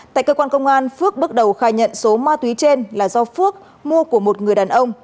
tại cơ quan công an phước bước đầu khai nhận số ma túy trên là do phước mua của một người đàn ông